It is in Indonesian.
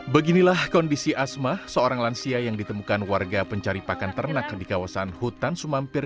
beginilah kondisi asma seorang lansia yang ditemukan warga pencari pakan ternak di kawasan hutan sumampir